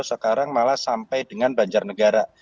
sekarang malah sampai dengan banjarnegara